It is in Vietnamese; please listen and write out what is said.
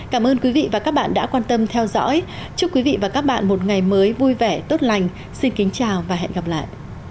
cảm ơn quý vị và các bạn đã quan tâm theo dõi chúc quý vị và các bạn một ngày mới vui vẻ tốt lành xin kính chào và hẹn gặp lại